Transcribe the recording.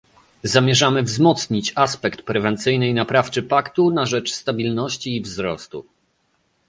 Zamierzamy wzmocnić aspekt prewencyjny i naprawczy paktu na rzecz stabilności i wzrostu